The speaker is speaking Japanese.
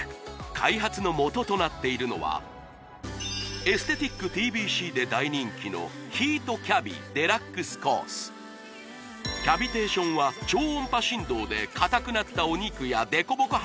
開発のもととなっているのはエステティックＴＢＣで大人気のキャビテーションは超音波振動で硬くなったお肉やデコボコ